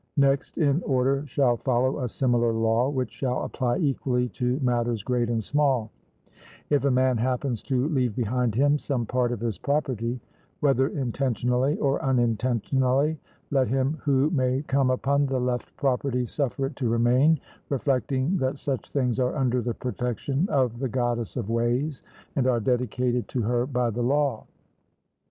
Next in order shall follow a similar law, which shall apply equally to matters great and small: If a man happens to leave behind him some part of his property, whether intentionally or unintentionally, let him who may come upon the left property suffer it to remain, reflecting that such things are under the protection of the Goddess of ways, and are dedicated to her by the law.